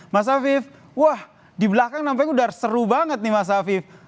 mas afif di belakang nampaknya sudah seru banget nih mas afif